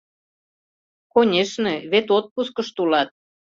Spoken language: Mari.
Конешне, вет отпускышто улат.